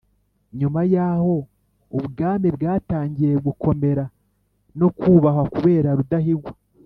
nyuma y'aho ubwami bwatangiye gukomera no kubahwa kubera rudahigwa